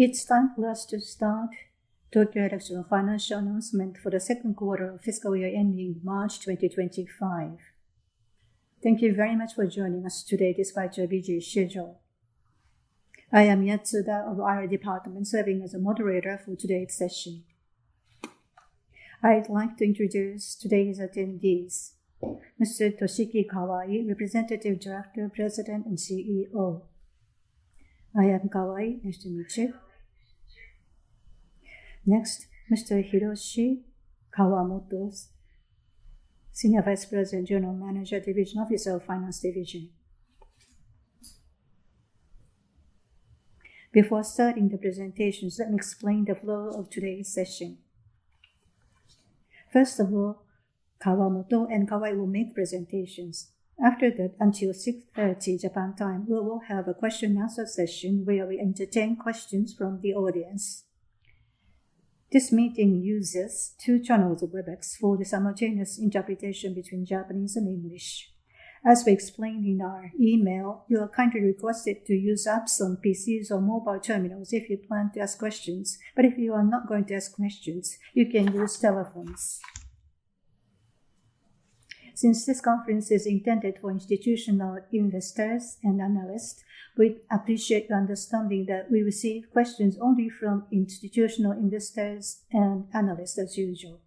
It's time for us to start Tokyo Electron's financial announcement for the second quarter of fiscal year ending March 2025. Thank you very much for joining us today despite your busy schedule. I am Yatsuda of our department, serving as a moderator for today's session. I'd like to introduce today's attendees: Mr. Toshiki Kawai, Representative Director, President, and CEO. I am Kawai, nice to meet you. Next, Mr. Hiroshi Kawamoto, Senior Vice President, General Manager, Division Officer, Finance Division. Before starting the presentations, let me explain the flow of today's session. First of all, Kawamoto and Kawai will make presentations. After that, until 6:30 P.M. Japan time, we will have a question-and-answer session where we entertain questions from the audience. This meeting uses two channels of Webex for the simultaneous interpretation between Japanese and English. As we explained in our email, you are kindly requested to use apps on PCs or mobile terminals if you plan to ask questions, but if you are not going to ask questions, you can use telephones. Since this conference is intended for institutional investors and analysts, we appreciate your understanding that we receive questions only from institutional investors and analysts as usual.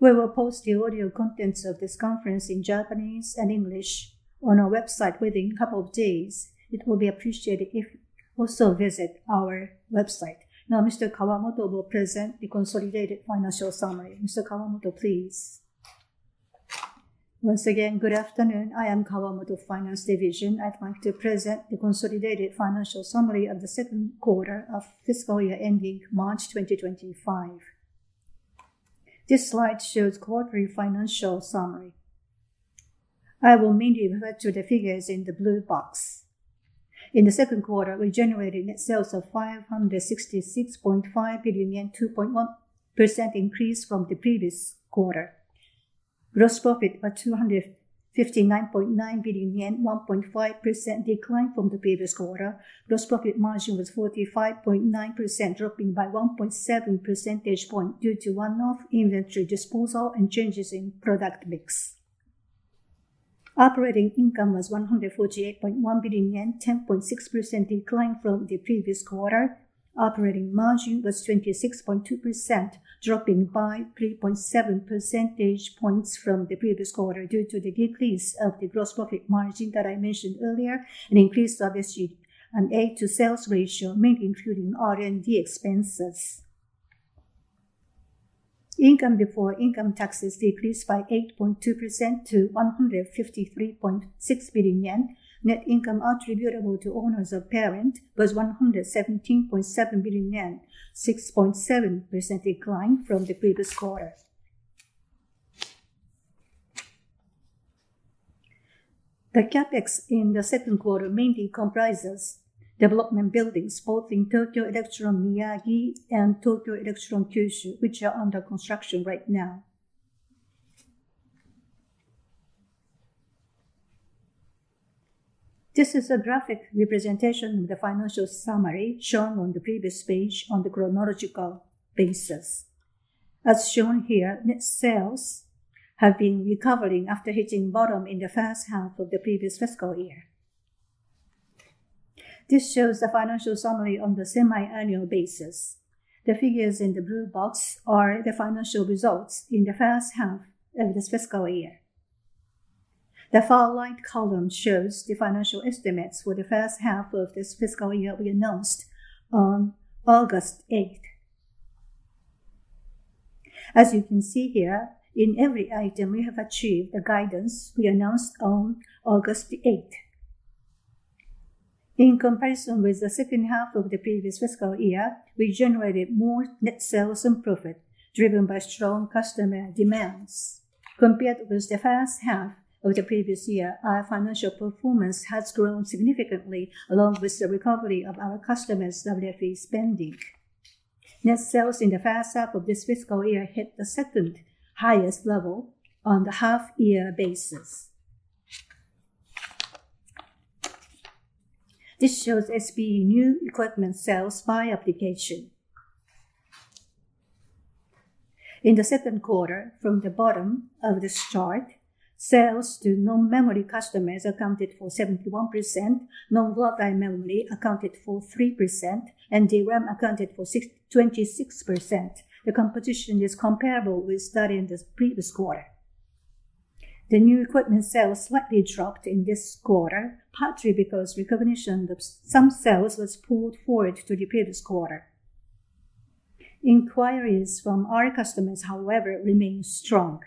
We will post the audio contents of this conference in Japanese and English on our website within a couple of days. It will be appreciated if you also visit our website. Now, Mr. Kawamoto will present the consolidated financial summary. Mr. Kawamoto, please. Once again, good afternoon. I am Kawamoto, Finance Division. I'd like to present the consolidated financial summary of the second quarter of fiscal year ending March 2025. This slide shows the quarterly financial summary. I will mainly refer to the figures in the blue box. In the second quarter, we generated net sales of 566.5 billion yen, 2.1% increase from the previous quarter. Gross profit was 259.9 billion yen, 1.5% decline from the previous quarter. Gross profit margin was 45.9%, dropping by 1.7 percentage points due to runoff, inventory disposal, and changes in product mix. Operating income was 148.1 billion yen, 10.6% decline from the previous quarter. Operating margin was 26.2%, dropping by 3.7 percentage points from the previous quarter due to the decrease of the gross profit margin that I mentioned earlier and increase of SG&A to sales ratio, mainly including R&D expenses. Income before income taxes decreased by 8.2% to 153.6 billion yen. Net income attributable to owners of parent was 117.7 billion yen, 6.7% decline from the previous quarter. The CapEx in the second quarter mainly comprises development buildings both in Tokyo Electron Miyagi, and Tokyo Electron Kyushu, which are under construction right now. This is a graphic representation of the financial summary shown on the previous page on the chronological basis. As shown here, net sales have been recovering after hitting bottom in the first half of the previous fiscal year. This shows the financial summary on the semi-annual basis. The figures in the blue box are the financial results in the first half of this fiscal year. The far right column shows the financial estimates for the first half of this fiscal year we announced on August 8th. As you can see here, in every item, we have achieved the guidance we announced on August 8th. In comparison with the second half of the previous fiscal year, we generated more net sales and profit driven by strong customer demands. Compared with the first half of the previous year, our financial performance has grown significantly along with the recovery of our customers' WFE spending. Net sales in the first half of this fiscal year hit the second highest level on the half-year basis. This shows SPE new equipment sales by application. In the second quarter, from the bottom of this chart, sales to non-memory customers accounted for 71%, NAND accounted for 3%, and DRAM accounted for 26%. The composition is comparable with that in the previous quarter. The new equipment sales slightly dropped in this quarter, partly because recognition of some sales was pulled forward to the previous quarter. Inquiries from our customers, however, remain strong.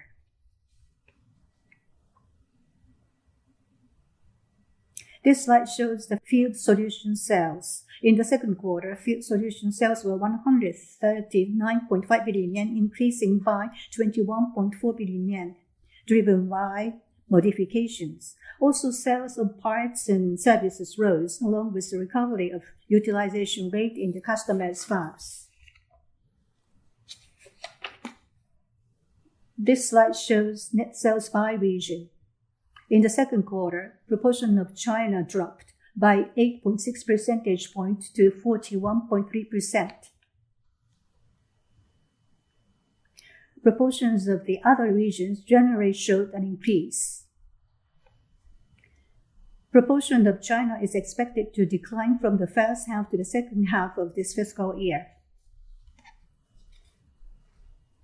This slide shows the Field Solutions sales. In the second quarter, Field Solutions sales were 139.5 billion yen, increasing by 21.4 billion yen, driven by modifications. Also, sales of parts and services rose along with the recovery of utilization rate in the customer's fabs. This slide shows net sales by region. In the second quarter, proportion of China dropped by 8.6 percentage points to 41.3%. Proportions of the other regions generally showed an increase. Proportion of China is expected to decline from the first half to the second half of this fiscal year.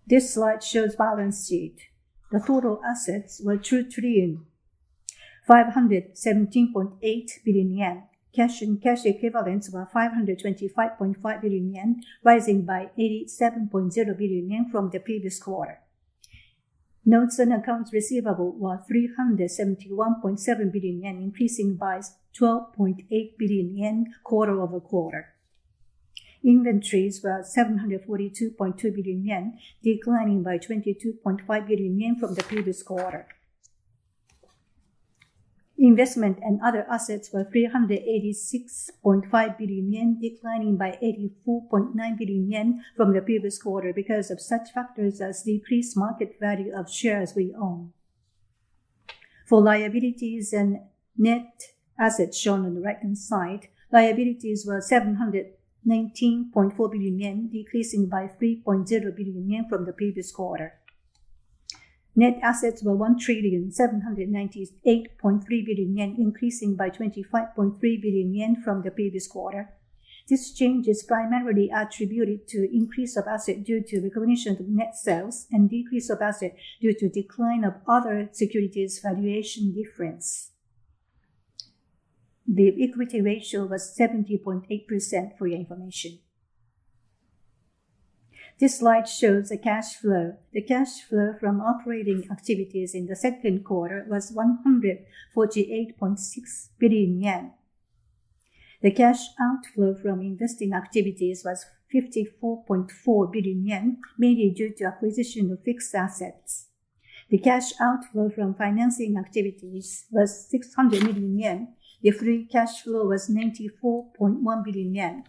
This slide shows balance sheet. The total assets were 2 trillion 517.8 billion. Cash and cash equivalents were 525.5 billion yen, rising by 87.0 billion yen from the previous quarter. Notes and accounts receivable were 371.7 billion yen, increasing by 12.8 billion yen quarter over quarter. Inventories were 742.2 billion yen, declining by 22.5 billion yen from the previous quarter. Investment and other assets were 386.5 billion yen, declining by 84.9 billion yen from the previous quarter because of such factors as decreased market value of shares we own. For liabilities and net assets shown on the right-hand side, liabilities were 719.4 billion yen, decreasing by 3.0 billion yen from the previous quarter. Net assets were 1 trillion, 798.3 billion, increasing by 25.3 billion yen from the previous quarter. This change is primarily attributed to increase of asset due to recognition of net sales and decrease of asset due to decline of other securities valuation difference. The equity ratio was 70.8% for your information. This slide shows the cash flow. The cash flow from operating activities in the second quarter was 148.6 billion yen. The cash outflow from investing activities was 54.4 billion yen, mainly due to acquisition of fixed assets. The cash outflow from financing activities was 600 million yen. The free cash flow was 94.1 billion yen.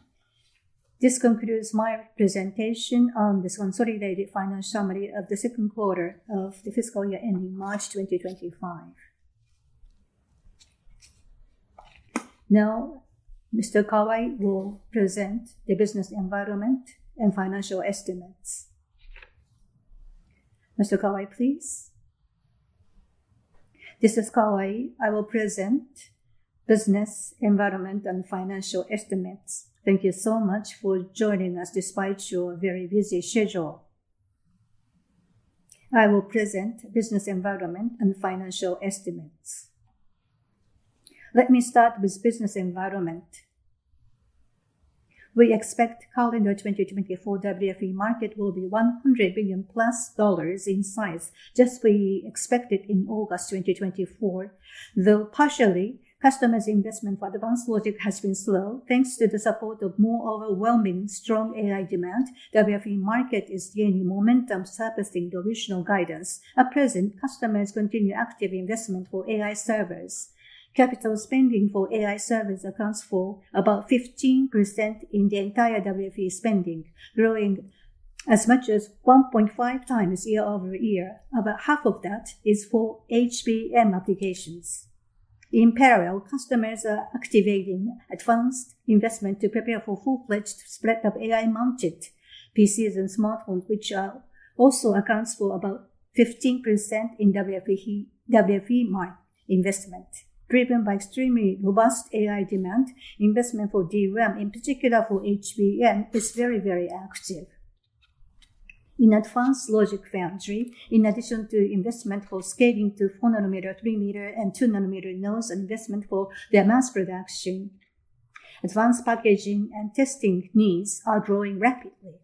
This concludes my presentation on the consolidated financial summary of the second quarter of the fiscal year ending March 2025. Now, Mr. Kawai will present the business environment and financial estimates. Mr. Kawai, please. This is Kawai. I will present business environment and financial estimates. Thank you so much for joining us despite your very busy schedule. I will present business environment and financial estimates. Let me start with business environment. We expect calendar 2024 WFE market will be $100 billion plus in size, just what we expected in August 2024. Though partially, customers' investment for advanced logic has been slow. Thanks to the support of more overwhelming strong AI demand, WFE market is gaining momentum, surpassing the original guidance. At present, customers continue active investment for AI servers. Capital spending for AI servers accounts for about 15% in the entire WFE spending, growing as much as 1.5 times year over year. About half of that is for HBM applications. In parallel, customers are activating advanced investment to prepare for full-fledged spread of AI-mounted PCs and smartphones, which also accounts for about 15% in WFE market investment. Driven by extremely robust AI demand, investment for DRAM, in particular for HBM, is very, very active. In advanced logic foundry, in addition to investment for scaling to 4 nanometer, 3 nanometer, and 2 nanometer nodes and investment for their mass production, advanced packaging and testing needs are growing rapidly.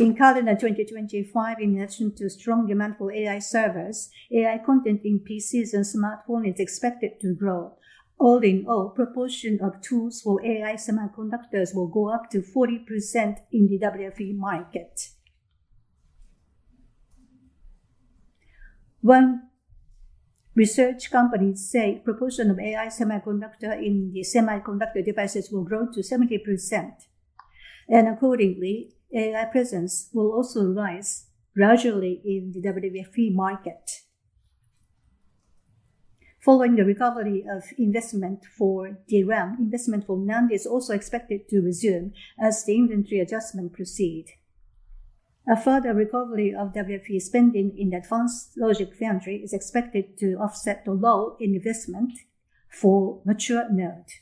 In calendar 2025, in addition to strong demand for AI servers, AI content in PCs and smartphones is expected to grow. All in all, proportion of tools for AI semiconductors will go up to 40% in the WFE market. When research companies say proportion of AI semiconductors in the semiconductor devices will grow to 70%, and accordingly, AI presence will also rise gradually in the WFE market. Following the recovery of investment for DRAM, investment for NAND is also expected to resume as the inventory adjustments proceed. A further recovery of WFE spending in advanced logic foundry is expected to offset the low investment for mature nodes.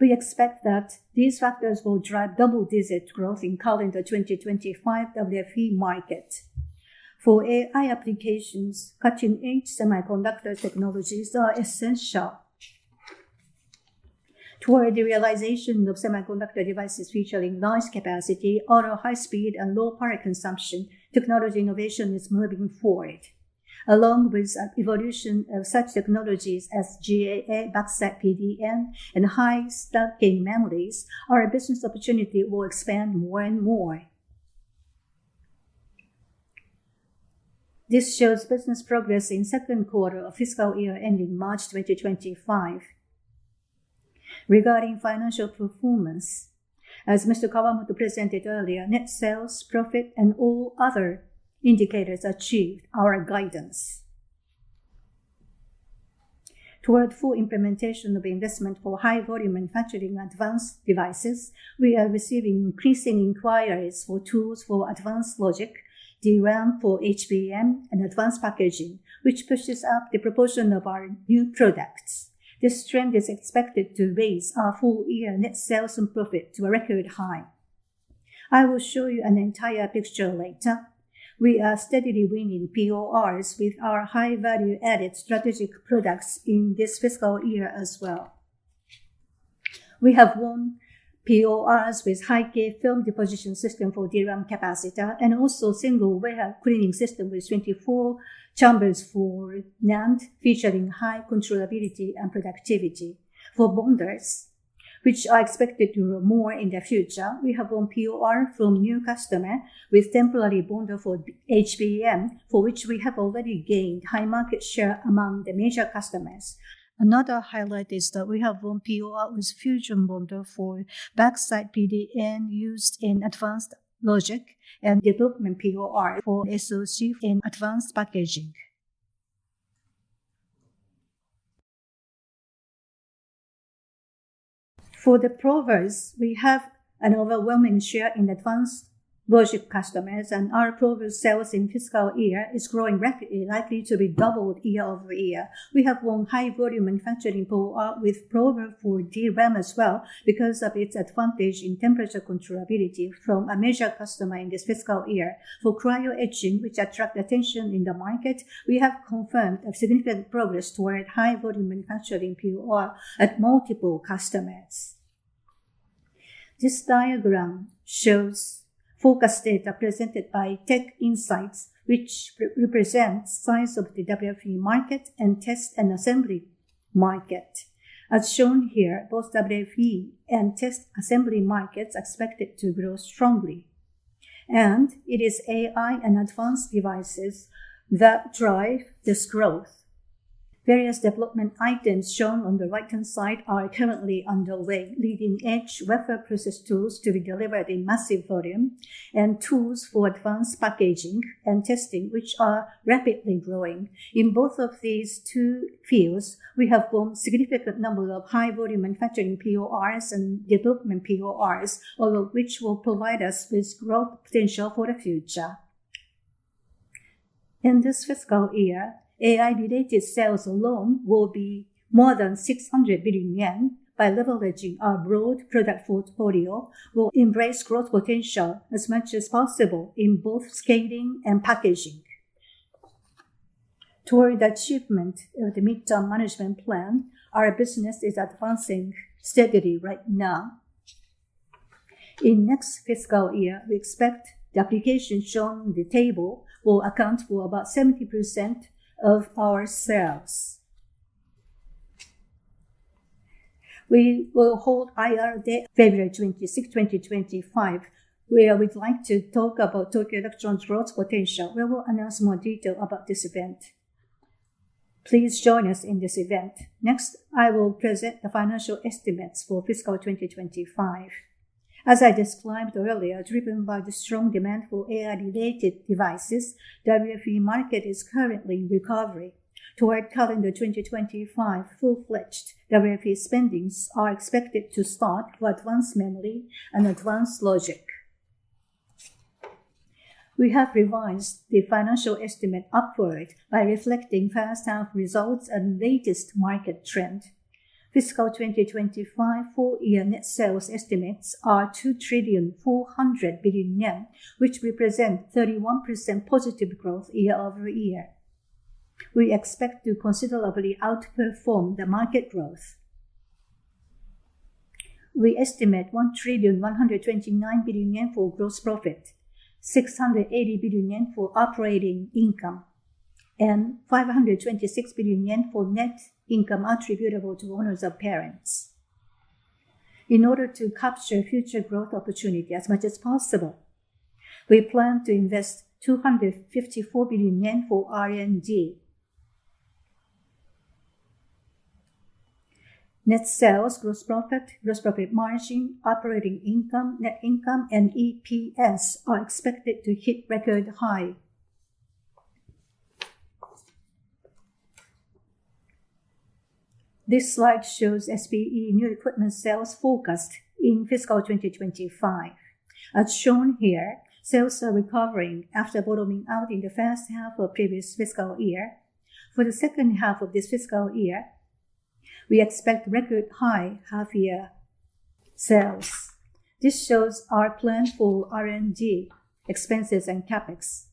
We expect that these factors will drive double-digit growth in calendar 2025 WFE market. For AI applications, cutting-edge semiconductor technologies are essential. Toward the realization of semiconductor devices featuring Large capacity, Ultra high-speed, and low power consumption, technology innovation is moving forward. Along with the evolution of such technologies as GAA, Backside PDN, and high-stacking memories, our business opportunity will expand more and more. This shows business probers in the second quarter of fiscal year ending March 2025. Regarding financial performance, as Mr. Kawamoto presented earlier, net sales, profit, and all other indicators achieved our guidance. Toward full implementation of investment for high-volume manufacturing advanced devices, we are receiving increasing inquiries for tools for advanced logic, DRAM for HBM, and advanced packaging, which pushes up the proportion of our new products. This trend is expected to raise our full-year net sales and profit to a record high. I will show you an entire picture later. We are steadily winning PORs with our high-value-added strategic products in this fiscal year as well. We have won PORs with high-k gate film deposition system for DRAM capacitor and also single-wafer cleaning system with 24 chambers for NAND featuring high controllability and productivity. For bonders, which are expected to grow more in the future, we have won POR from new customers with temporary bonder for HBM, for which we have already gained high market share among the major customers. Another highlight is that we have won POR with fusion bonder for backside PDN used in advanced logic and development POR for SoC in advanced packaging. For the probers, we have an overwhelming share in advanced logic customers, and our prober sales in fiscal year is growing rapidly, likely to be doubled year over year. We have won high-volume manufacturing POR with Prober for DRAM as well because of its advantage in temperature controllability from a major customer in this fiscal year. For cryo-etching, which attracts attention in the market, we have confirmed significant progress toward high-volume manufacturing POR at multiple customers. This diagram shows forecast data presented by TechInsights, which represents size of the WFE market and test and assembly market. As shown here, both WFE and test assembly markets are expected to grow strongly, and it is AI and advanced devices that drive this growth. Various development items shown on the right-hand side are currently underway, leading-edge wafer process tools to be delivered in massive volume and tools for advanced packaging and testing, which are rapidly growing. In both of these two fields, we have won a significant number of high-volume manufacturing PORs and development PORs, all of which will provide us with growth potential for the future. In this fiscal year, AI-related sales alone will be more than 600 billion yen. By leveraging our broad product portfolio, we will embrace growth potential as much as possible in both scaling and packaging. Toward the achievement of the mid-term management plan, our business is advancing steadily right now. In next fiscal year, we expect the application shown on the table will account for about 70% of our sales. We will hold IR Day on February 26, 2025, where we'd like to talk about Tokyo Electron's growth potential. We will announce more details about this event. Please join us in this event. Next, I will present the financial estimates for fiscal 2025. As I described earlier, driven by the strong demand for AI-related devices, the WFE market is currently in recovery. Toward calendar 2025, full-fledged WFE spending is expected to start for advanced memory and advanced logic. We have revised the financial estimate upward by reflecting first-half results and latest market trend. Fiscal 2025 full-year net sales estimates are 2 trillion 400 billion, which represent 31% positive growth year over year. We expect to considerably outperform the market growth. We estimate 1 trillion 129 billion for gross profit, 680 billion yen for operating income, and 526 billion yen for net income attributable to owners or parents. In order to capture future growth opportunities as much as possible, we plan to invest 254 billion yen for R&D. Net sales, gross profit, gross profit margin, operating income, net income, and EPS are expected to hit record high. This slide shows SPE new equipment sales focused in fiscal 2025. As shown here, sales are recovering after bottoming out in the first half of the previous fiscal year. For the second half of this fiscal year, we expect record high half-year sales. This shows our plan for R&D expenses and CapEx.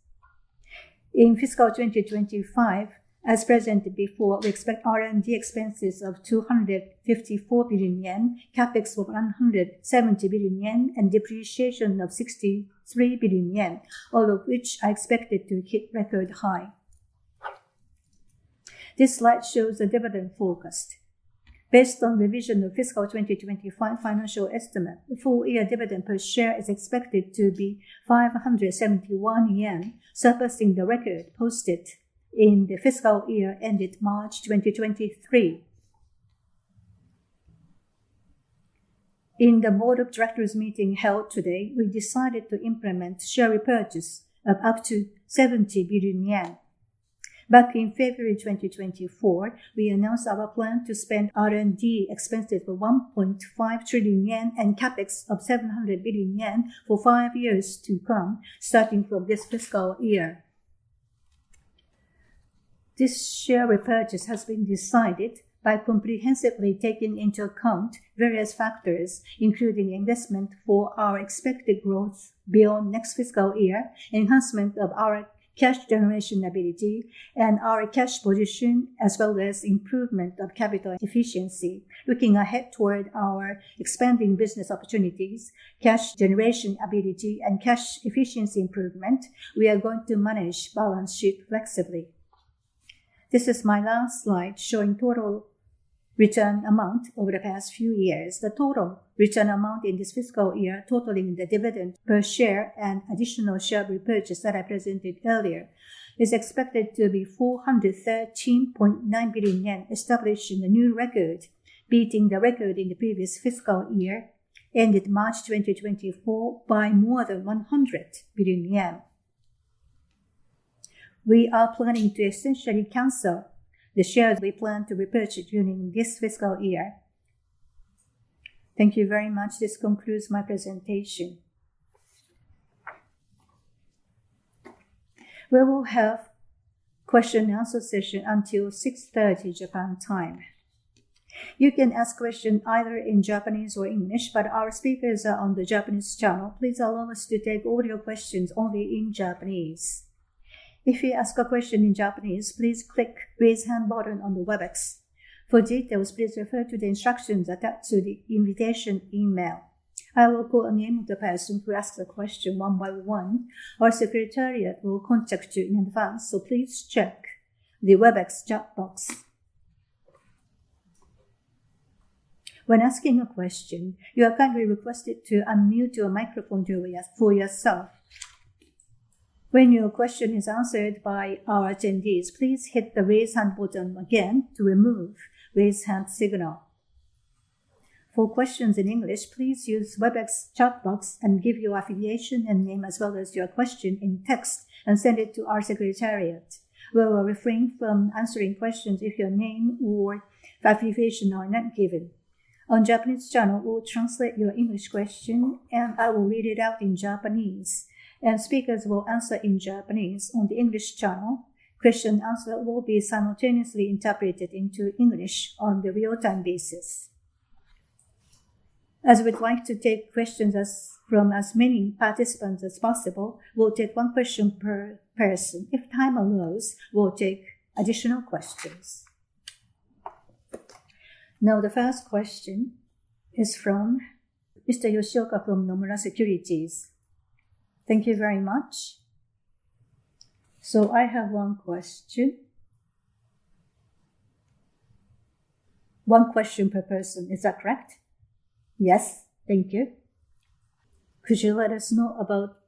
In fiscal 2025, as presented before, we expect R&D expenses of 254 billion yen, CapEx of 170 billion yen, and depreciation of 63 billion yen, all of which are expected to hit record high. This slide shows the dividend focus. Based on revision of fiscal 2025 financial estimate, the full-year dividend per share is expected to be 571 yen, surpassing the record posted in the fiscal year ended March 2023. In the Board of Directors meeting held today, we decided to implement share repurchase of up to 70 billion yen. Back in February 2024, we announced our plan to spend R&D expenses for 1.5 trillion yen and CapEx of 700 billion yen for five years to come, starting from this fiscal year. This share repurchase has been decided by comprehensively taking into account various factors, including investment for our expected growth beyond next fiscal year, enhancement of our cash generation ability, and our cash position, as well as improvement of capital efficiency. Looking ahead toward our expanding business opportunities, cash generation ability, and cash efficiency improvement, we are going to manage balance sheet flexibly. This is my last slide showing total return amount over the past few years. The total return amount in this fiscal year, totaling the dividend per share and additional share repurchase that I presented earlier, is expected to be 413.9 billion yen, establishing a new record, beating the record in the previous fiscal year ended March 2024 by more than 100 billion yen. We are planning to essentially cancel the shares we plan to repurchase during this fiscal year. Thank you very much. This concludes my presentation. We will have question-and-answer session until 6:30 P.M. Japan time. You can ask questions either in Japanese or English, but our speakers are on the Japanese channel. Please allow us to take audio questions only in Japanese. If you ask a question in Japanese, please click the raise hand button on the Webex. For details, please refer to the instructions attached to the invitation email. I will call the name of the person who asked the question one by one. Our secretariat will contact you in advance, so please check the Webex chat box. When asking a question, you are kindly requested to unmute your microphone for yourself. When your question is answered by our attendees, please hit the raise hand button again to remove the raise hand signal. For questions in English, please use the Webex chat box and give your affiliation and name as well as your question in text and send it to our secretariat. We will refrain from answering questions if your name or affiliation are not given. On the Japanese channel, we will translate your English question, and I will read it out in Japanese, and speakers will answer in Japanese. On the English channel, question and answer will be simultaneously interpreted into English on a real-time basis. As we'd like to take questions from as many participants as possible, we'll take one question per person. If time allows, we'll take additional questions. Now, the first question is from Mr. Yoshioka from Nomura Securities. Thank you very much. So I have one question. One question per person. Is that correct? Yes. Thank you. Could you let us know about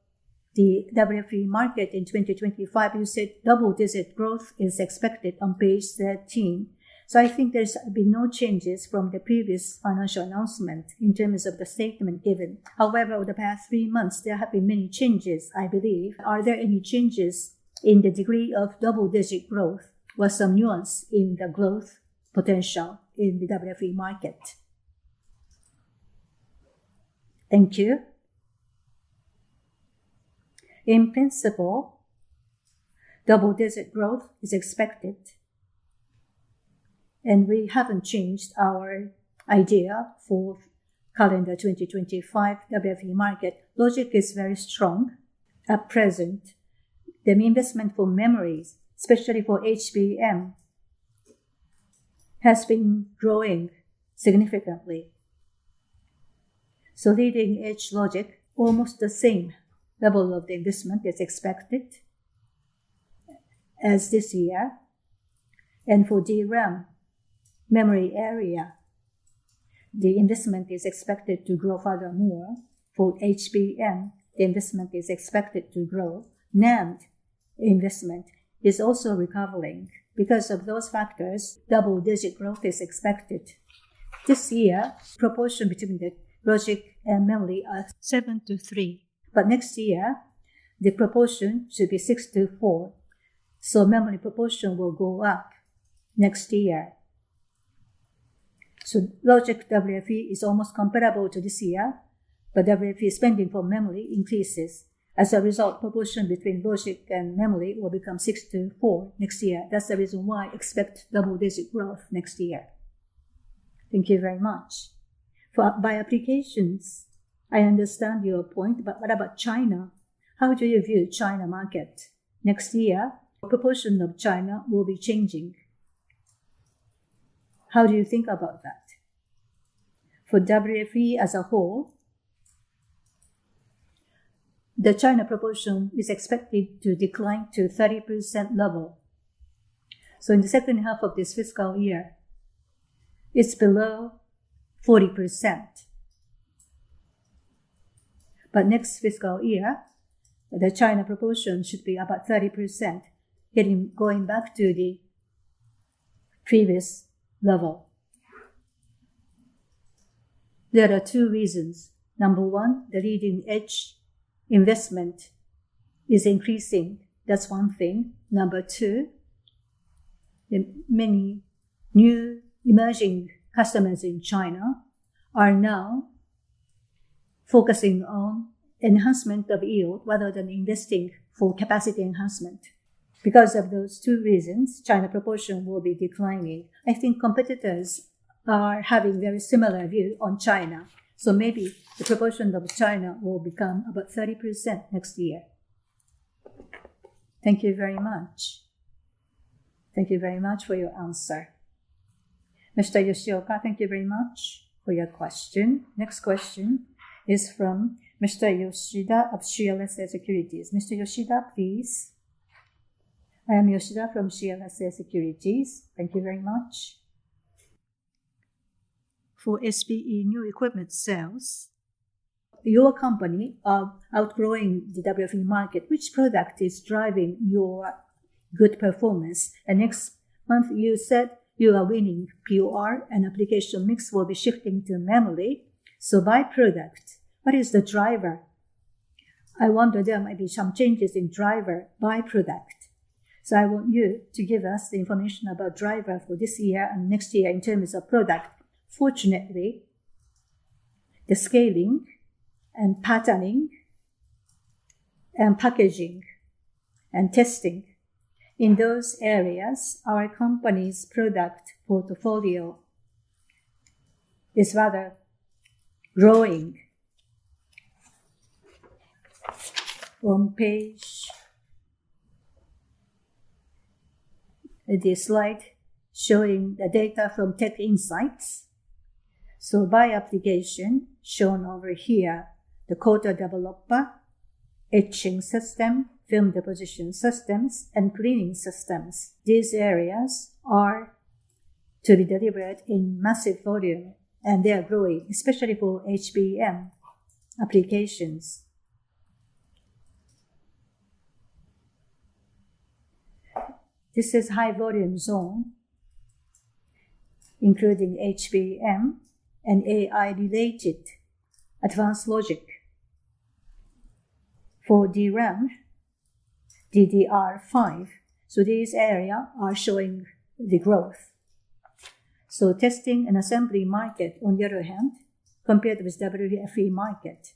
the WFE market in 2025? You said double-digit growth is expected on page 13. So I think there have been no changes from the previous financial announcement in terms of the statement given. However, over the past three months, there have been many changes, I believe. Are there any changes in the degree of double-digit growth? What's the nuance in the growth potential in the WFE market? Thank you. In principle, double-digit growth is expected, and we haven't changed our idea for calendar 2025 WFE market. Logic is very strong. At present, the investment for memories, especially for HBM, has been growing significantly, so leading-edge logic, almost the same level of the investment is expected as this year, and for DRAM memory area, the investment is expected to grow furthermore. For HBM, the investment is expected to grow. NAND investment is also recovering, because of those factors, double-digit growth is expected. This year, the proportion between the logic and memory is 7 to 3, but next year, the proportion should be 6 to 4, so memory proportion will go up next year, so logic WFE is almost comparable to this year, but WFE spending for memory increases. As a result, the proportion between logic and memory will become 6 to 4 next year. That's the reason why I expect double-digit growth next year. Thank you very much. By applications, I understand your point, but what about China? How do you view the China market next year? The proportion of China will be changing. How do you think about that? For WFE as a whole, the China proportion is expected to decline to a 30% level. So in the second half of this fiscal year, it's below 40%. But next fiscal year, the China proportion should be about 30%, going back to the previous level. There are two reasons. Number one, the leading-edge investment is increasing. That's one thing. Number two, many new emerging customers in China are now focusing on enhancement of yield rather than investing for capacity enhancement. Because of those two reasons, China proportion will be declining. I think competitors are having a very similar view on China. So maybe the proportion of China will become about 30% next year. Thank you very much. Thank you very much for your answer. Mr. Yoshioka, thank you very much for your question. Next question is from Mr. Yoshida of CLSA Securities. Mr. Yoshida, please. I am Yoshida from CLSA Securities. Thank you very much. For SPE new equipment sales, your company is outgrowing the WFE market. Which product is driving your good performance? And next month, you said you are winning POR, and application mix will be shifting to memory. So by product, what is the driver? I wonder there might be some changes in driver by product. So I want you to give us the information about driver for this year and next year in terms of product. Fortunately, the scaling and patterning and packaging and testing in those areas, our company's product portfolio is rather growing. On page, the slide showing the data from TechInsights. By application shown over here, the Coater/Developer, etching systems, film deposition systems, and cleaning systems. These areas are to be delivered in massive volume, and they are growing, especially for HBM applications. This is a high-volume zone, including HBM and AI-related advanced logic for DRAM, DDR5. These areas are showing the growth. Testing and assembly market, on the other hand, compared with WFE market,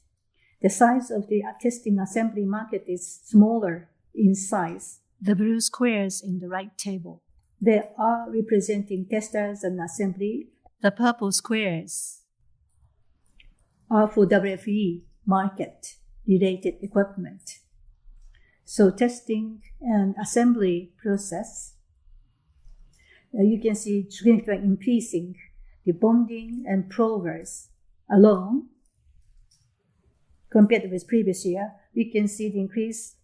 the size of the testing assembly market is smaller in size. The blue squares in the right table, they are representing testers and assembly. The purple squares are for WFE market-related equipment. Testing and assembly process, you can see significantly increasing the bonding and probing alone. Compared with previous year, we can see the increase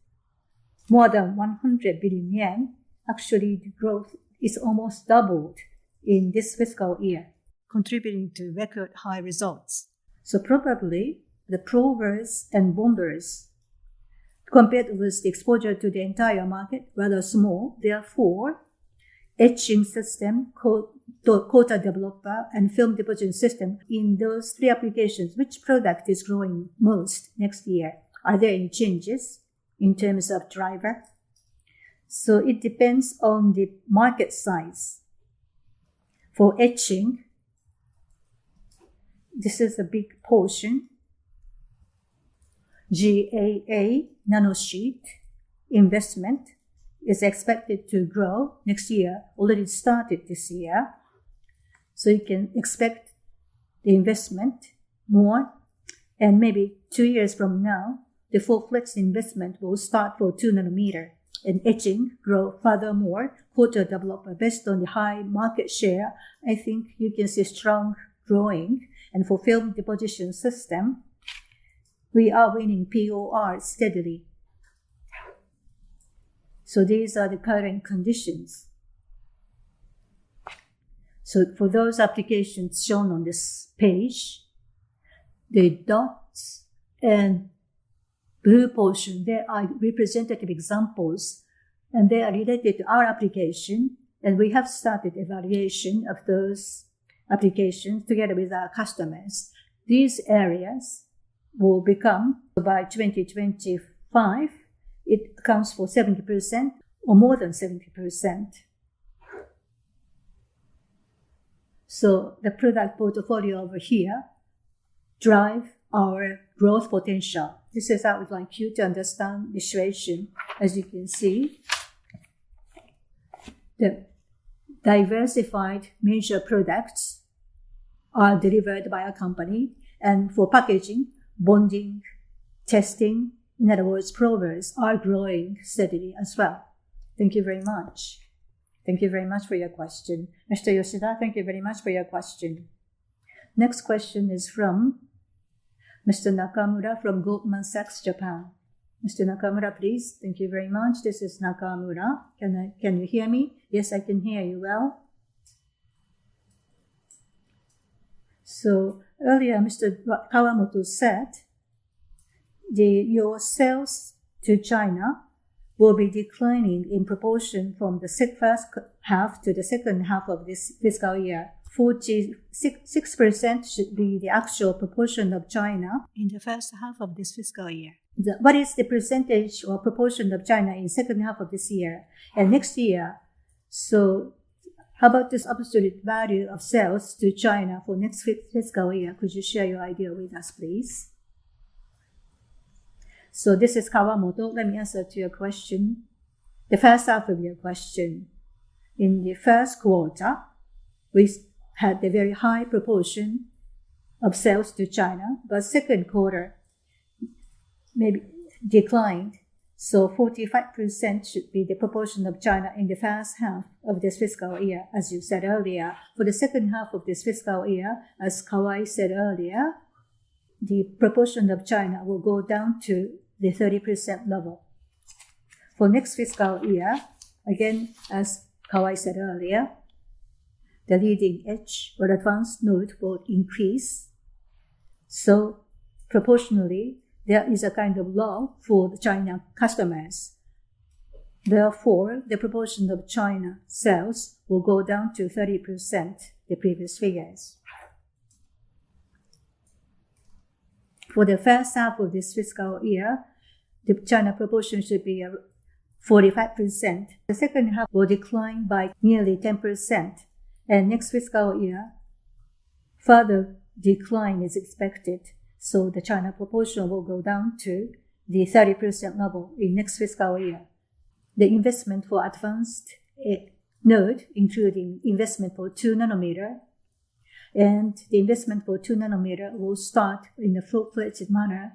of more than 100 billion yen. Actually, the growth is almost doubled in this fiscal year, contributing to record high results. So probably the progress and bonds compared with the exposure to the entire market are rather small. Therefore, etching system, Coater/Developer, and film deposition system. In those three applications, which product is growing most next year? Are there any changes in terms of driver? So it depends on the market size. For etching, this is a big portion. GAA nanosheet investment is expected to grow next year, already started this year. So you can expect the investment more. And maybe two years from now, the full flex investment will start for two nanometers. And etching grows furthermore, Coater/Developer, based on the high market share. I think you can see strong growing and for film deposition system. We are winning POR steadily. So these are the current conditions. So for those applications shown on this page, the dots and blue portion, they are representative examples, and they are related to our application. And we have started evaluation of those applications together with our customers. These areas will become, by 2025, it accounts for 70% or more than 70%. So the product portfolio over here drives our growth potential. This is how we'd like you to understand the situation. As you can see, the diversified major products are delivered by our company. And for packaging, bonding, testing, in other words, progress are growing steadily as well. Thank you very much. Thank you very much for your question. Mr. Yoshida, thank you very much for your question. Next question is from Mr. Nakamura from Goldman Sachs Japan. Mr. Nakamura, please. Thank you very much. This is Nakamura. Can you hear me? Yes, I can hear you well. So earlier, Mr. Kawamoto said your sales to China will be declining in proportion from the first half to the second half of this fiscal year. 6% should be the actual proportion of China in the first half of this fiscal year. What is the percentage or proportion of China in the second half of this year and next year? So how about this absolute value of sales to China for next fiscal year? Could you share your idea with us, please? So this is Kawamoto. Let me answer to your question. The first half of your question, in the first quarter, we had a very high proportion of sales to China, but the second quarter maybe declined. So 45% should be the proportion of China in the first half of this fiscal year, as you said earlier. For the second half of this fiscal year, as Kawai said earlier, the proportion of China will go down to the 30% level. For next fiscal year, again, as Kawai said earlier, the leading-edge or advanced node will increase, so proportionally, there is a kind of low for the China customers. Therefore, the proportion of China sales will go down to 30% the previous figures. For the first half of this fiscal year, the China proportion should be 45%. The second half will decline by nearly 10%, and next fiscal year, further decline is expected, so the China proportion will go down to the 30% level in next fiscal year. The investment for advanced node, including investment for 2 nanometers, and the investment for 2 nanometers will start in a full-fledged manner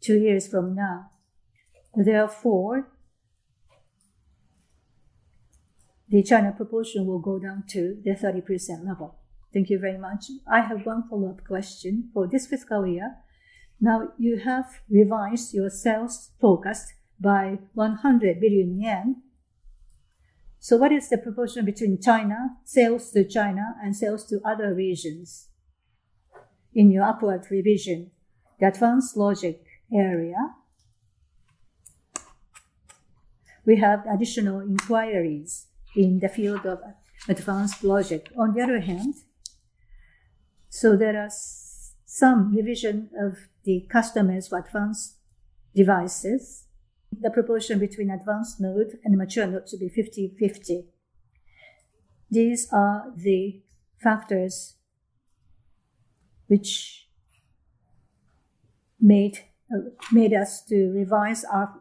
two years from now. Therefore, the China proportion will go down to the 30% level. Thank you very much. I have one follow-up question for this fiscal year. Now, you have revised your sales forecast by 100 billion yen. So what is the proportion between China, sales to China, and sales to other regions in your upward revision? The advanced logic area, we have additional inquiries in the field of advanced logic. On the other hand, so there is some revision of the customers for advanced devices. The proportion between advanced node and mature node should be 50-50. These are the factors which made us to revise our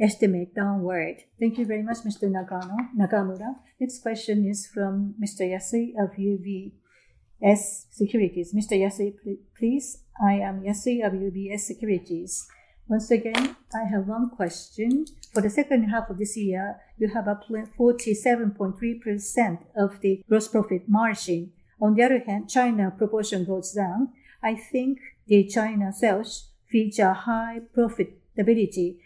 estimate downward. Thank you very much, Mr. Nakamura. Next question is from Mr. Yasui of UBS Securities. Mr. Yasui, please. I am Yasui of UBS Securities. Once again, I have one question. For the second half of this year, you have a 47.3% of the gross profit margin. On the other hand, China proportion goes down. I think the China sales feature high profitability.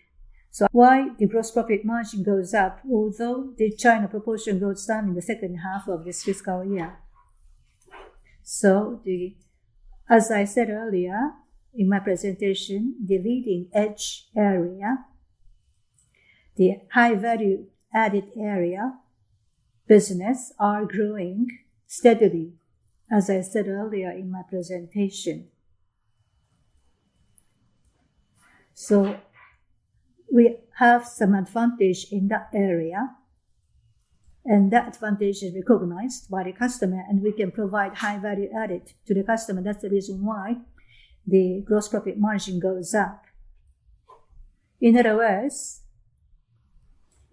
So why the gross profit margin goes up, although the China proportion goes down in the second half of this fiscal year? So as I said earlier in my presentation, the leading-edge area, the high-value added area business are growing steadily, as I said earlier in my presentation. So we have some advantage in that area. And that advantage is recognized by the customer, and we can provide high-value added to the customer. That's the reason why the gross profit margin goes up. In other words,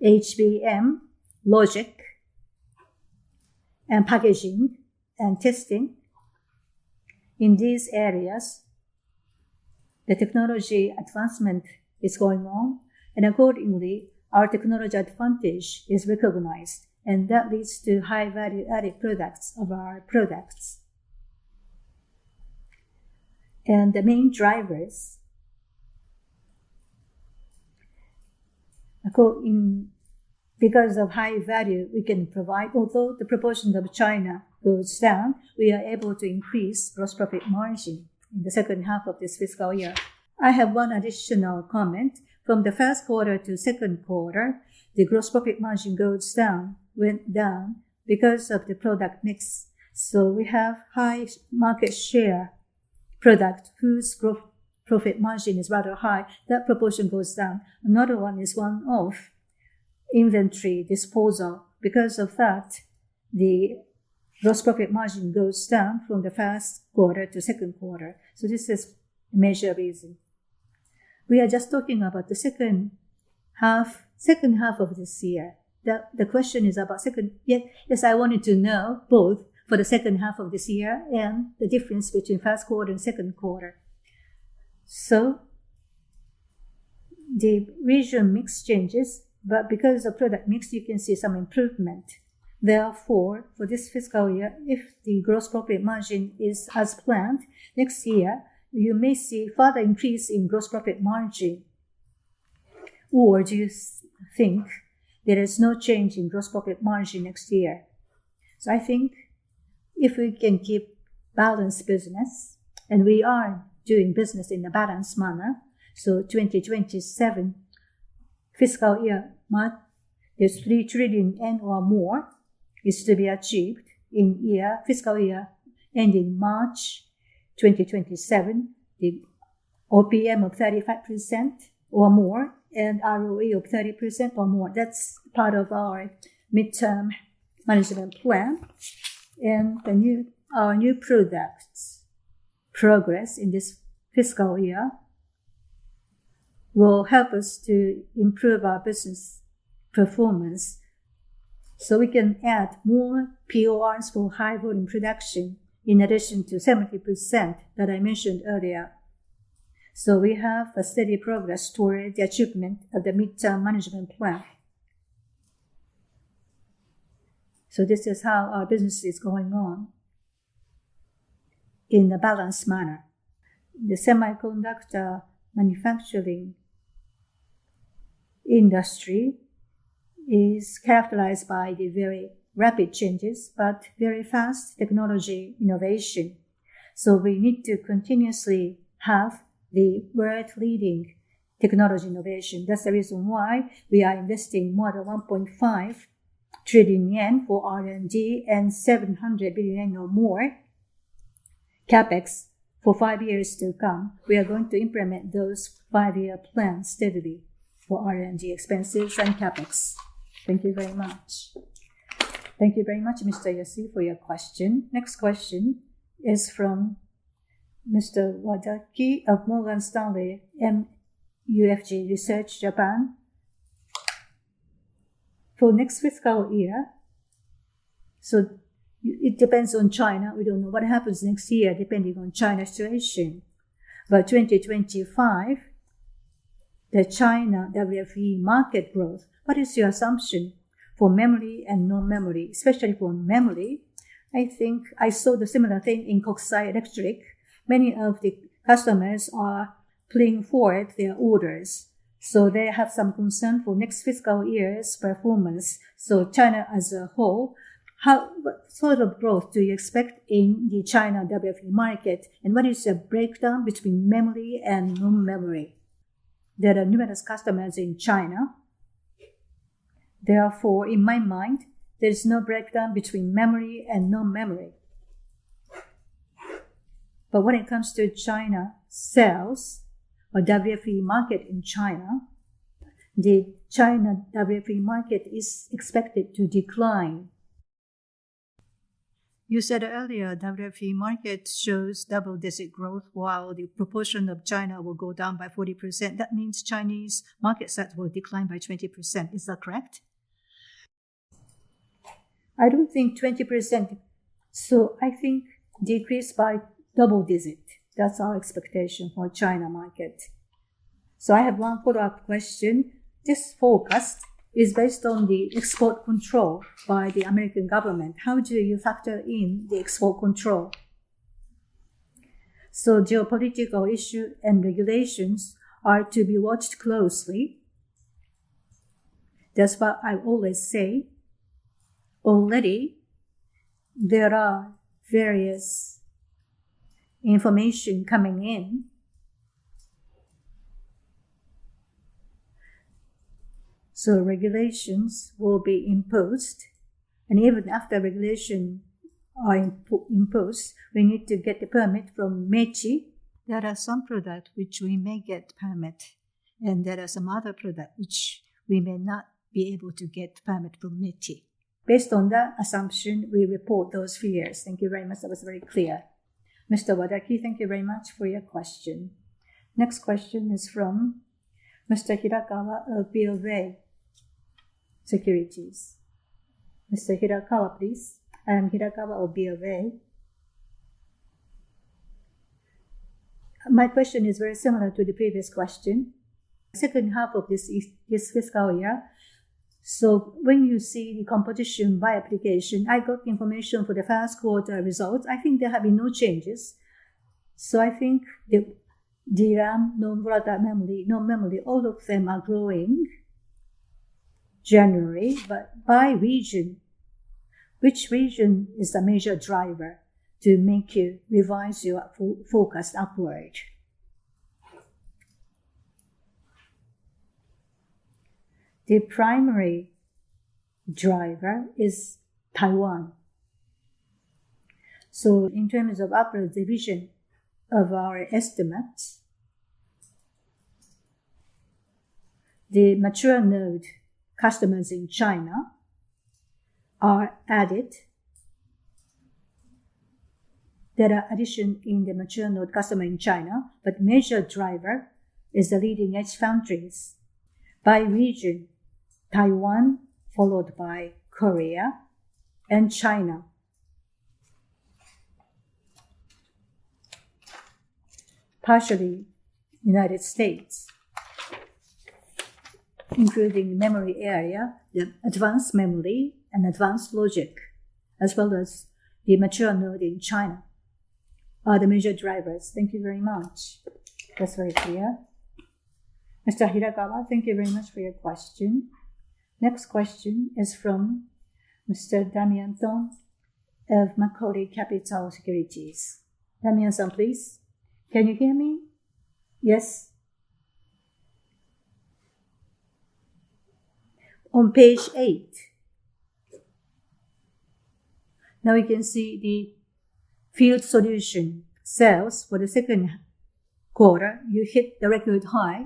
HBM, logic, and packaging and testing, in these areas, the technology advancement is going on. And accordingly, our technology advantage is recognized. And that leads to high-value added products of our products. And the main drivers, because of high value, we can provide, although the proportion of China goes down, we are able to increase gross profit margin in the second half of this fiscal year. I have one additional comment. From the first quarter to second quarter, the gross profit margin goes down because of the product mix. So we have high market share product whose gross profit margin is rather high. That proportion goes down. Another one is one-off inventory disposal. Because of that, the gross profit margin goes down from the first quarter to second quarter. So this is a major reason. We are just talking about the second half of this year. The question is about second, yes, I wanted to know both for the second half of this year and the difference between first quarter and second quarter. So the regional mix changes, but because of product mix, you can see some improvement. Therefore, for this fiscal year, if the gross profit margin is as planned, next year, you may see further increase in gross profit margin. Or do you think there is no change in gross profit margin next year? So I think if we can keep balanced business, and we are doing business in a balanced manner, so 2027 fiscal year, there's 3 trillion yen or more is to be achieved in fiscal year ending March 2027, the OPM of 35% or more, and ROE of 30% or more. That's part of our midterm management plan. And our new product progress in this fiscal year will help us to improve our business performance so we can add more PORs for high volume production in addition to 70% that I mentioned earlier. We have a steady progress toward the achievement of the midterm management plan. So this is how our business is going on in a balanced manner. The semiconductor manufacturing industry is characterized by the very rapid changes, but very fast technology innovation. So we need to continuously have the world-leading technology innovation. That's the reason why we are investing more than 1.5 trillion yen for R&D and 700 billion yen or more for CapEx for five years to come. We are going to implement those five-year plans steadily for R&D expenses and CapEx. Thank you very much. Thank you very much, Mr. Yasui, for your question. Next question is from Mr. Wadaki of Morgan Stanley MUFG Research Japan. For next fiscal year, so it depends on China. We don't know what happens next year depending on China's situation. But 2025, the China WFE market growth, what is your assumption for memory and non-memory, especially for memory? I think I saw the similar thing in Kokusai Electric. Many of the customers are pulling forward their orders. So they have some concern for next fiscal year's performance. So China as a whole, what sort of growth do you expect in the China WFE market? And what is the breakdown between memory and non-memory? There are numerous customers in China. Therefore, in my mind, there is no breakdown between memory and non-memory. But when it comes to China sales or WFE market in China, the China WFE market is expected to decline. You said earlier WFE market shows double-digit growth, while the proportion of China will go down by 40%. That means Chinese market size will decline by 20%. Is that correct? I don't think 20%. So, I think decrease by double digit. That's our expectation for China market. So, I have one follow-up question. This focus is based on the export control by the American government. How do you factor in the export control? So, geopolitical issues and regulations are to be watched closely. That's what I always say. Already, there are various information coming in. So, regulations will be imposed. And even after regulations are imposed, we need to get the permit from METI. There are some products which we may get permit, and there are some other products which we may not be able to get permit from METI. Based on that assumption, we report those figures. Thank you very much. That was very clear. Mr. Wadaki, thank you very much for your question. Next question is from Mr. Hirakawa of BofA Securities. Mr. Hirakawa, please. I am Hirakawa of BofA Securities. My question is very similar to the previous question. Second half of this fiscal year. So when you see the composition by application, I got information for the first quarter results. I think there have been no changes. So I think DRAM, non-volatile memory, non-memory, all of them are growing generally. But by region, which region is a major driver to make you revise your forecast upward? The primary driver is Taiwan. So in terms of upward revision of our estimates, the mature node customers in China are added. There are additions in the mature node customers in China, but the major driver is the leading-edge foundries. By region, Taiwan, followed by Korea and China, partially United States, including memory area, advanced memory, and advanced logic, as well as the mature node in China are the major drivers. Thank you very much. That's very clear. Mr. Hirakawa, thank you very much for your question. Next question is from Mr. Damian Thong of Macquarie Capital Securities. Damian Thong, please. Can you hear me? Yes. On page eight, now you can see the Field Solutions sales for the second quarter. You hit the record high.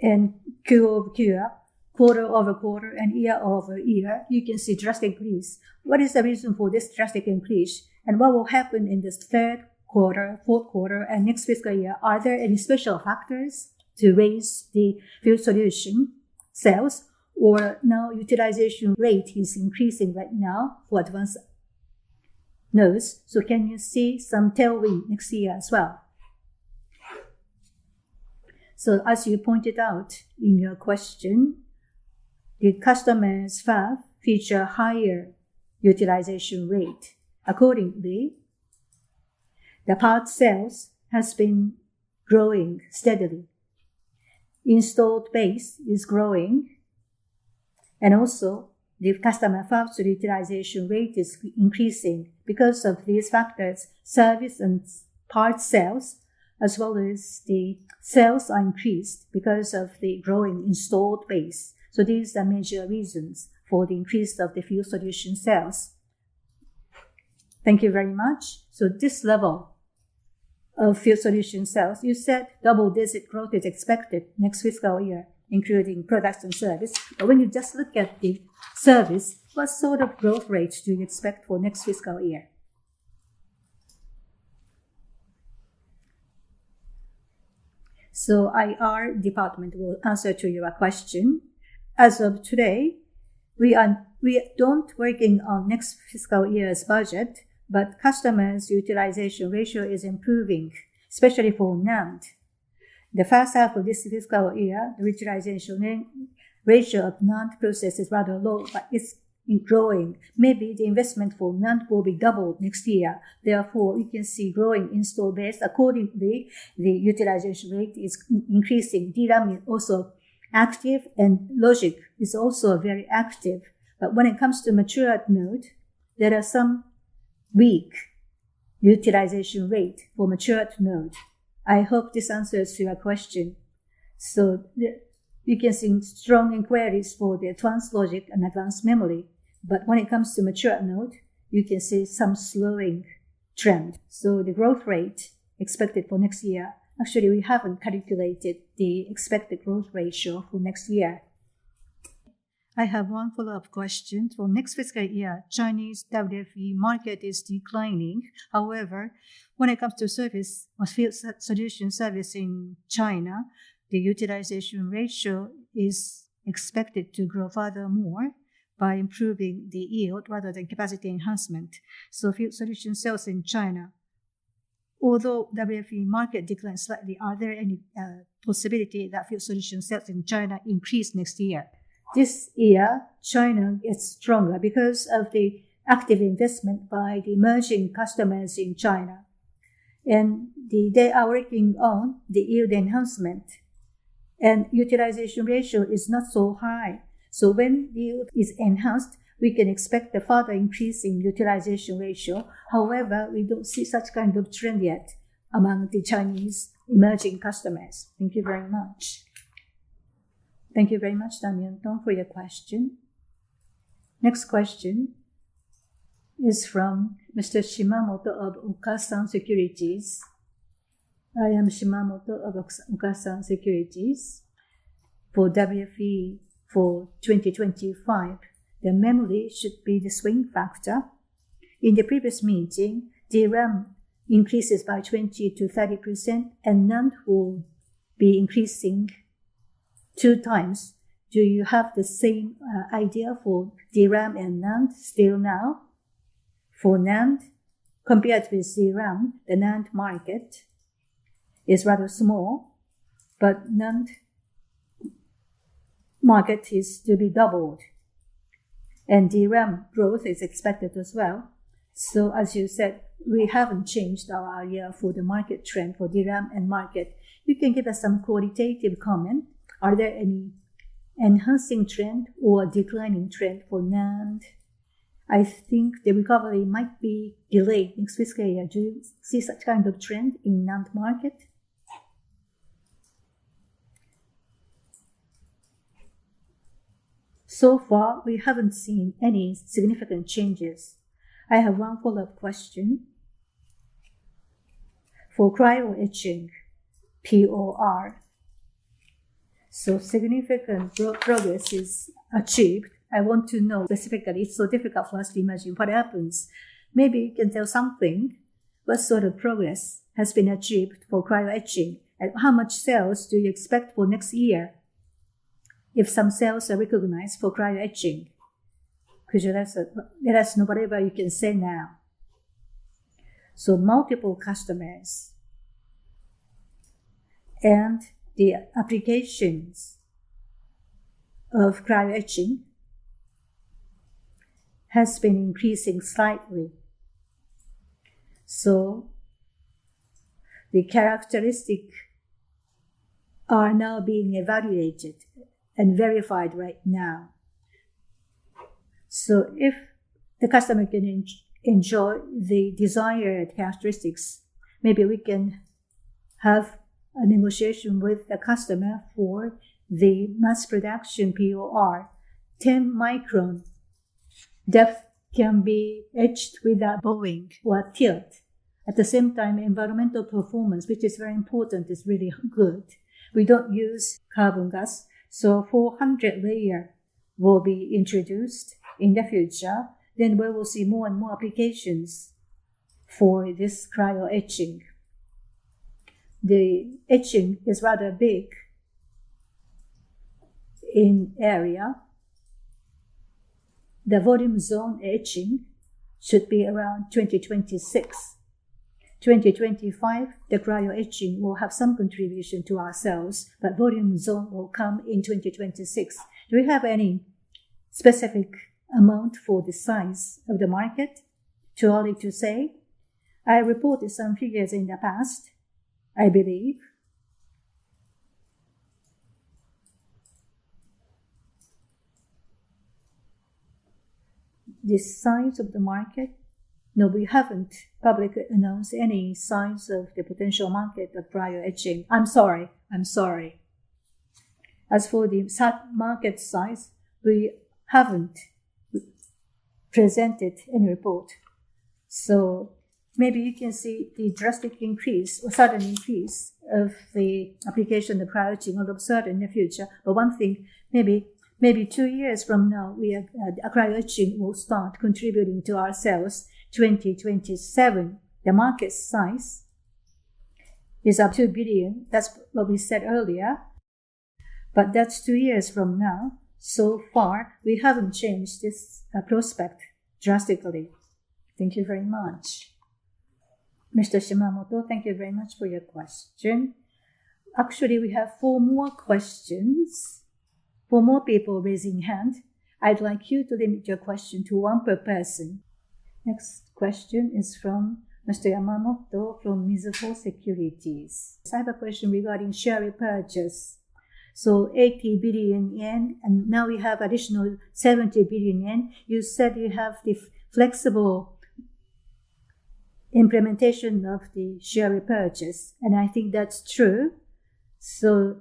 And Q over Q, quarter over quarter, and year over year, you can see drastic increase. What is the reason for this drastic increase? And what will happen in this third quarter, fourth quarter, and next fiscal year? Are there any special factors to raise the Field Solutions sales? Or now utilization rate is increasing right now for advanced nodes. So can you see some tailwind next year as well? So as you pointed out in your question, the customer's fab's higher utilization rate. Accordingly, the parts sales has been growing steadily. Installed base is growing. The customer fab utilization rate is also increasing because of these factors. Service and parts sales, as well as the sales, are increased because of the growing installed base. These are major reasons for the increase of the Field Solutions sales. Thank you very much. This level of Field Solutions sales, you said double-digit growth is expected next fiscal year, including products and service. But when you just look at the service, what sort of growth rate do you expect for next fiscal year? Our department will answer to your question. As of today, we don't work on next fiscal year's budget, but customer's utilization ratio is improving, especially for NAND. The first half of this fiscal year, the utilization ratio of NAND process is rather low, but it's growing. Maybe the investment for NAND will be doubled next year. Therefore, you can see growing installed base. Accordingly, the utilization rate is increasing. DRAM is also active, and logic is also very active. But when it comes to mature node, there are some weak utilization rate for mature node. I hope this answers your question. So you can see strong inquiries for the advanced logic and advanced memory. But when it comes to mature node, you can see some slowing trend. So the growth rate expected for next year, actually, we haven't calculated the expected growth ratio for next year. I have one follow-up question. For next fiscal year, Chinese WFE market is declining. However, when it comes to service or field solution service in China, the utilization ratio is expected to grow further more by improving the yield rather than capacity enhancement. Field Solutions sales in China, although WFE market declines slightly, is there any possibility that Field Solutions sales in China increase next year? This year, China gets stronger because of the active investment by the emerging customers in China. They are working on the yield enhancement. Utilization ratio is not so high. When the yield is enhanced, we can expect a further increase in utilization ratio. However, we don't see such kind of trend yet among the Chinese emerging customers. Thank you very much. Thank you very much, Damian Thong, for your question. Next question is from Mr. Shimamoto of Okasan Securities. I am Shimamoto of Okasan Securities. For WFE for 2025, the memory should be the swing factor. In the previous meeting, DRAM increases by 20%-30%, and NAND will be increasing two times. Do you have the same idea for DRAM and NAND still now? For NAND, compared with DRAM, the NAND market is rather small, but NAND market is to be doubled. And DRAM growth is expected as well. So as you said, we haven't changed our idea for the market trend for DRAM and market. You can give us some qualitative comment. Are there any enhancing trend or declining trend for NAND? I think the recovery might be delayed next fiscal year. Do you see such kind of trend in NAND market? So far, we haven't seen any significant changes. I have one follow-up question. For cryogenic etching, POR. So significant progress is achieved. I want to know specifically. It's so difficult for us to imagine what happens. Maybe you can tell something. What sort of progress has been achieved for cryogenic etching? And how much sales do you expect for next year if some sales are recognized for cryo-etching? Could you let us know whatever you can say now? So multiple customers and the applications of cryo-etching have been increasing slightly. So the characteristics are now being evaluated and verified right now. So if the customer can enjoy the desired characteristics, maybe we can have a negotiation with the customer for the mass production POR. 10 micron depth can be etched without bowing or tilt. At the same time, environmental performance, which is very important, is really good. We don't use carbon gas. So 400 layers will be introduced in the future. Then we will see more and more applications for this cryo-etching. The etching is rather big in area. The volume zone etching should be around 2026. 2025, the cryo-etching will have some contribution to our sales, but volume zone will come in 2026. Do you have any specific amount for the size of the market? Too early to say? I reported some figures in the past, I believe. The size of the market? No, we haven't publicly announced any size of the potential market of cryo-etching. I'm sorry. I'm sorry. As for the market size, we haven't presented any report. So maybe you can see the drastic increase or sudden increase of the application of cryo-etching will observe in the future. But one thing, maybe two years from now, cryo-etching will start contributing to our sales 2027. The market size is up to a billion. That's what we said earlier. But that's two years from now. So far, we haven't changed this prospect drastically. Thank you very much. Mr. Shimamoto, thank you very much for your question. Actually, we have four more questions. Four more people raising hand. I'd like you to limit your question to one per person. Next question is from Mr. Yamamoto from Mizuho Securities. I have a question regarding share repurchase, so 80 billion yen, and now we have additional 70 billion yen. You said you have the flexible implementation of the share repurchase, and I think that's true, so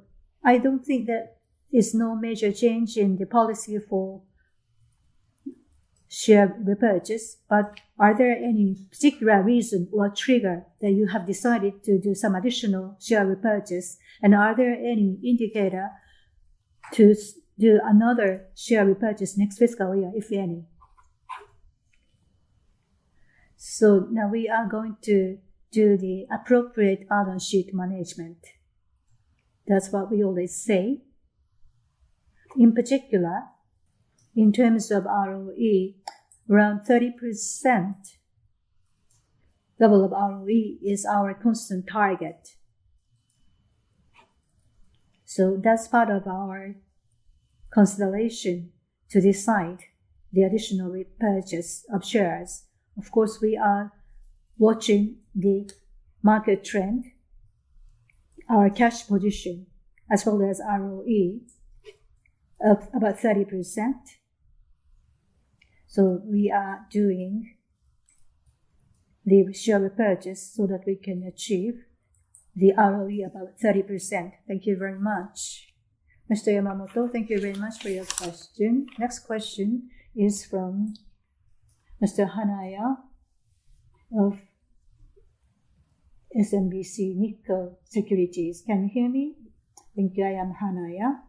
I don't think that there's no major change in the policy for share repurchase, but are there any particular reason or trigger that you have decided to do some additional share repurchase? And are there any indicator to do another share repurchase next fiscal year, if any? So now we are going to do the appropriate balance sheet management. That's what we always say. In particular, in terms of ROE, around 30% level of ROE is our constant target. So that's part of our consideration to decide the additional repurchase of shares. Of course, we are watching the market trend, our cash position, as well as ROE of about 30%. So we are doing the share repurchase so that we can achieve the ROE of about 30%. Thank you very much. Mr. Yamamoto, thank you very much for your question. Next question is from Mr. Hanaya of SMBC Nikko Securities. Can you hear me? Thank you. I am Hanaya.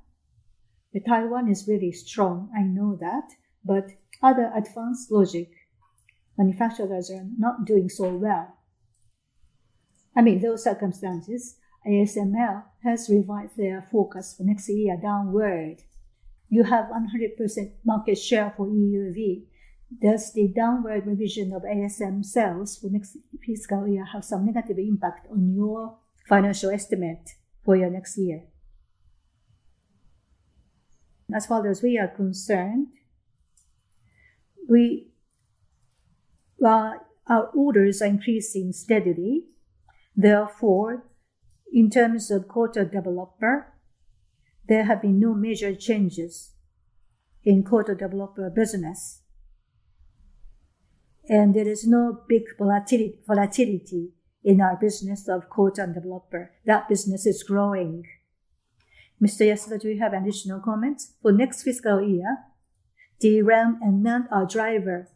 The Taiwan is really strong. I know that. But other advanced logic manufacturers are not doing so well. I mean, those circumstances, ASML has revised their focus for next year downward. You have 100% market share for EUV. Does the downward revision of ASML sales for next fiscal year have some negative impact on your financial estimate for your next year? As far as we are concerned, our orders are increasing steadily. Therefore, in terms of Coater/Developer, there have been no major changes in Coater/Developer business. And there is no big volatility in our business of Coater/Developer. That business is growing. Mr. Yasui, do you have additional comments? For next fiscal year, DRAM and NAND are driver,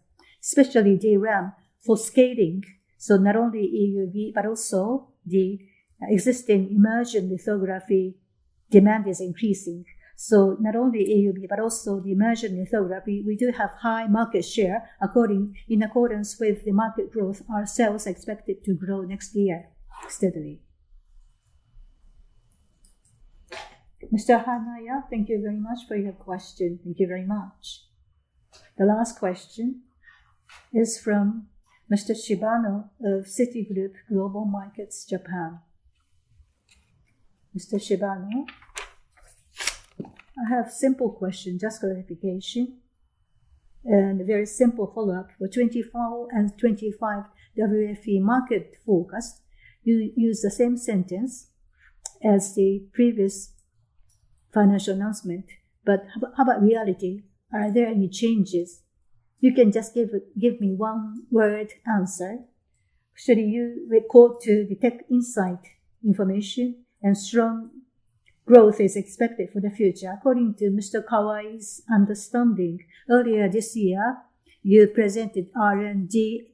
especially DRAM for scaling. So not only EUV, but also the existing emerging lithography demand is increasing. So not only EUV, but also the emerging lithography, we do have high market share. In accordance with the market growth, our sales are expected to grow next year steadily. Mr. Hanaya, thank you very much for your question. Thank you very much. The last question is from Mr. Shibano of Citigroup Global Markets Japan. Mr. Shibano, I have a simple question, just clarification. And a very simple follow-up. For 2024 and 2025 WFE market forecast, you use the same sentence as the previous financial announcement. But how about reality? Are there any changes? You can just give me one word answer. Should you correct to reflect insightful information? And strong growth is expected for the future. According to Mr. Kawai's understanding, earlier this year, you presented R&D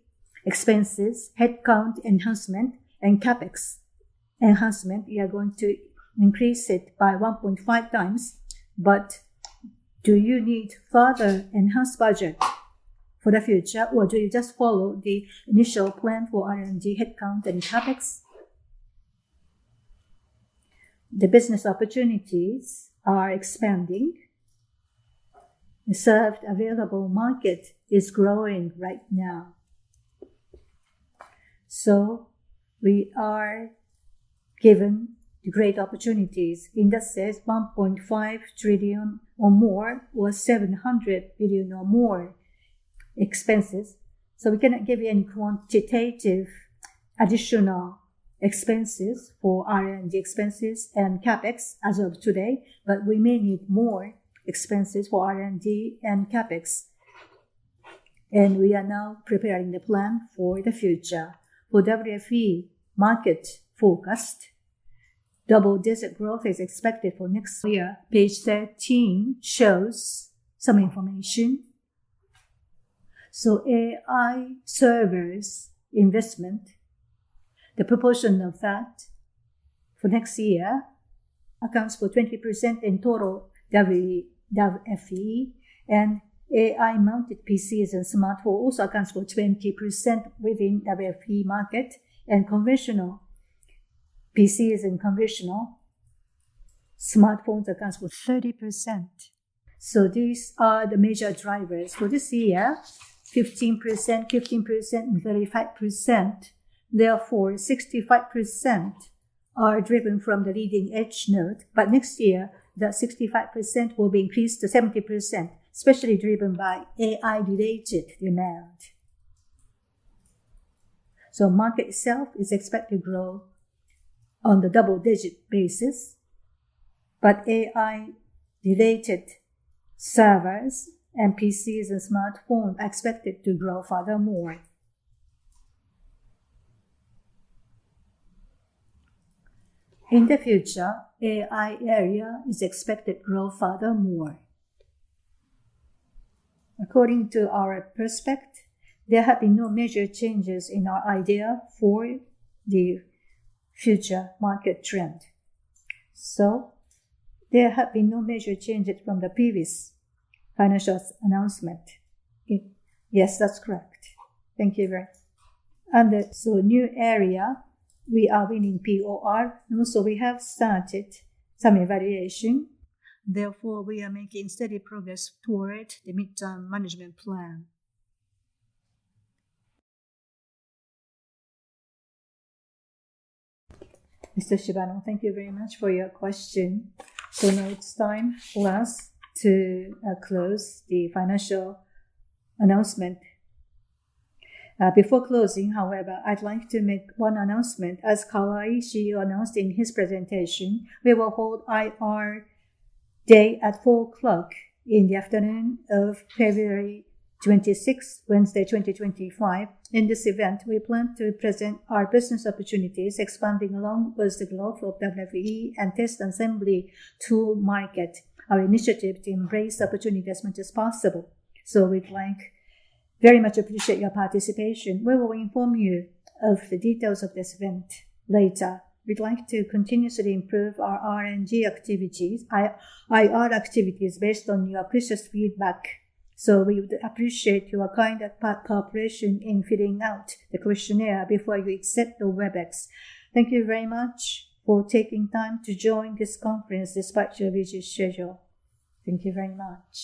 expenses, headcount enhancement, and CapEx enhancement. You are going to increase it by 1.5 times. But do you need further enhanced budget for the future, or do you just follow the initial plan for R&D headcount and CapEx? The business opportunities are expanding. The served available market is growing right now. So we are given great opportunities. Industry is 1.5 trillion or more, or 700 billion or more expenses. So we cannot give you any quantitative additional expenses for R&D expenses and CapEx as of today. But we may need more expenses for R&D and CapEx. And we are now preparing the plan for the future. For WFE market focus, double digit growth is expected for next year. Page 13 shows some information. So AI servers investment, the proportion of that for next year accounts for 20% in total WFE. And AI mounted PCs and smartphones also accounts for 20% within WFE market. And conventional PCs and conventional smartphones accounts for 30%. So these are the major drivers for this year: 15%, 15%, and 35%. Therefore, 65% are driven from the leading edge node. But next year, that 65% will be increased to 70%, especially driven by AI-related demand. So market itself is expected to grow on the double-digit basis. But AI-related servers and PCs and smartphones are expected to grow furthermore. In the future, AI area is expected to grow furthermore. According to our prospect, there have been no major changes in our idea for the future market trend. So there have been no major changes from the previous financial announcement. Yes, that's correct. Thank you very much. And so new area, we are winning POR. Also, we have started some evaluation. Therefore, we are making steady progress toward the midterm management plan. Mr. Shibano, thank you very much for your question. So now it's time for us to close the financial announcement. Before closing, however, I'd like to make one announcement. As Kawai announced in his presentation, we will hold IR Day at 4:00 P.M. of February 26, Wednesday, 2025. In this event, we plan to present our business opportunities expanding along with the growth of WFE and test assembly to market our initiative to embrace opportunities as much as possible. So we'd like very much to appreciate your participation. We will inform you of the details of this event later. We'd like to continuously improve our R&D activities, IR activities based on your precious feedback. So we would appreciate your kind cooperation in filling out the questionnaire before you accept the Webex. Thank you very much for taking time to join this conference despite your busy schedule. Thank you very much.